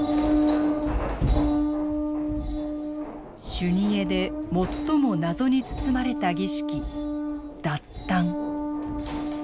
修二会で最も謎に包まれた儀式達陀。